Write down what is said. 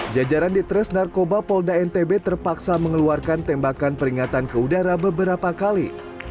jajaran ditres narkoba polda ntb terpaksa mengeluarkan tembakan peringatan ke udara beberapa kali